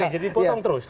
jadi dipotong terus